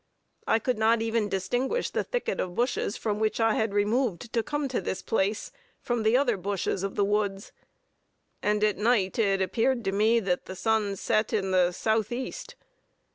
I could not even distinguish the thicket of bushes, from which I had removed to come to this place, from the other bushes of the woods. I remained here all day, and at night it appeared to me that the sun set in the south east.